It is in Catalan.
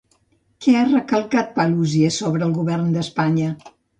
Què ha recalcat Paluzie sobre el govern d'Espanya?